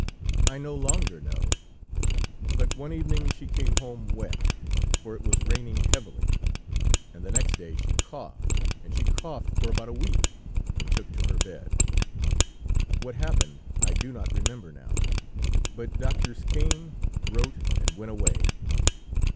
I no longer know; but one evening she came home wet, for it was raining heavily, and the next day she coughed, and she coughed for about a week, and took to her bed. What happened I do not remember now, but doctors came, wrote and went away.